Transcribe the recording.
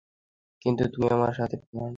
কিন্তু তুমি আমার সাথে ফ্লার্ট করেছিলে।